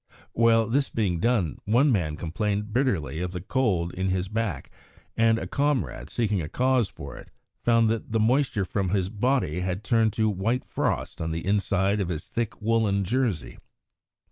While this was being done, one man complained bitterly of the cold in his back, and a comrade, seeking a cause for it, found that the moisture from his body had turned to white frost on the inside of his thick woollen jersey.